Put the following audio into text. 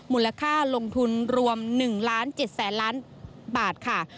มูลค่าลงทุนรวม๑๗๐๐๐๐๐บาทค่ะ